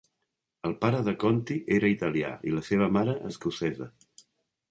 El pare de Conti era italià i la seva mare escocesa.